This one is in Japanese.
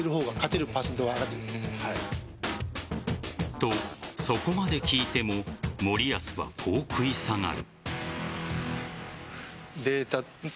と、そこまで聞いても森保はこう食い下がる。